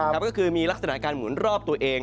ก็คือมีลักษณะการหมุนรอบตัวเอง